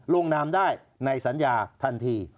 ลงนามได้ในสัญญาทันที